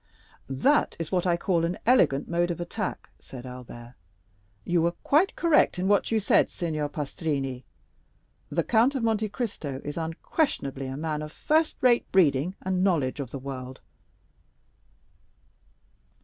"That is what I call an elegant mode of attack," said Albert, "You were quite correct in what you said, Signor Pastrini. The Count of Monte Cristo is unquestionably a man of first rate breeding and knowledge of the world."